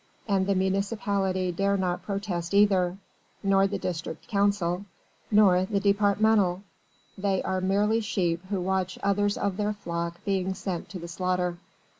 And the municipality dare not protest either nor the district council nor the departmental. They are merely sheep who watch others of their flock being sent to the slaughter.